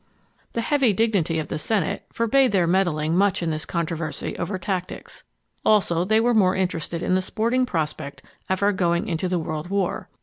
The heavy dignity of the Senate forbade their meddling much in this controversy over tactics. Also they were more interested in the sporting prospect of our going into the world war.